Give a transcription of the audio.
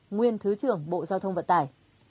nguyên thứ trưởng bộ giao thông vận tải